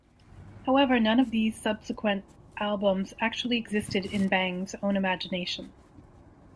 However, none of these subsequent albums actually existed except in Bangs' own imagination.